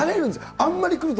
あんまり来ると。